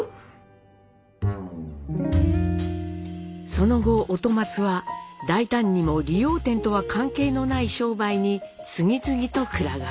その後音松は大胆にも理容店とは関係のない商売に次々とくら替え。